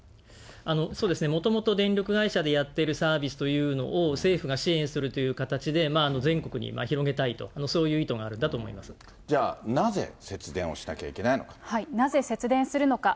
そうですね、もともと電力会社でやってるサービスというのを、政府が支援するという形で、全国に広げたいと、そういう意図があじゃあ、なぜ節電をしなきゃなぜ節電するのか。